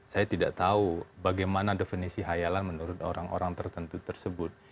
saya tidak tahu bagaimana definisi hayalan menurut orang orang tertentu tersebut